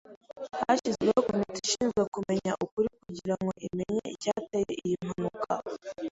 Hashyizweho komite ishinzwe kumenya ukuri kugira ngo imenye icyateye iyi mpanuka.